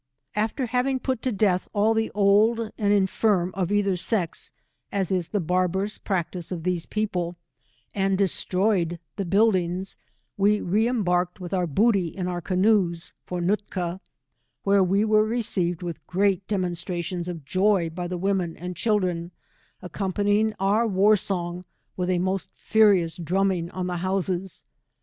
After having put to death all the old and infirm of either sex, as is the barbarous practice of these people, and destroyed the buildings, we re embark ed with our booty in our canoes, for Nootka, where we were received with great demonstra tions of joy by the women and children, accompa nying our war song with a most furious drumming on the houses.